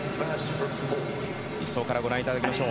１走からご覧いただきましょう。